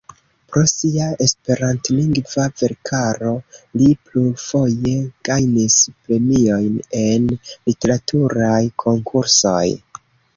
Pro sia esperantlingva verkaro li plurfoje gajnis premiojn en literaturaj konkursoj.